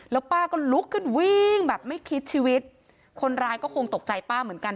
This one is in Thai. แล้วป้าก็ลุกขึ้นวิ่งแบบไม่คิดชีวิตคนร้ายก็คงตกใจป้าเหมือนกัน